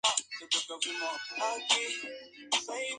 Iza, Now!